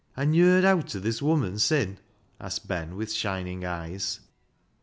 " Han yo' yerd owt o' th' woman sin'?" asked Ben, with shining eyes.